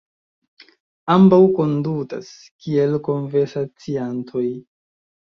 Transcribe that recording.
Ambaŭ kondutas kiel konversaciantoj.